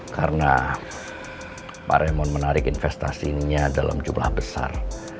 karena pak raymond menarik investasinya dalam jumlah besar